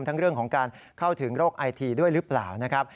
เรื่องของการเข้าถึงโรคไอทีด้วยหรือเปล่านะครับ